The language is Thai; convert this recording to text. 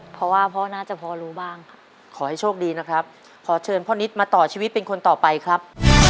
เพราะว่าพ่อน่าจะพอรู้บ้างครับขอให้โชคดีนะครับขอเชิญพ่อนิดมาต่อชีวิตเป็นคนต่อไปครับ